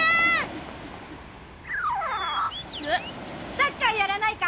サッカーやらないか？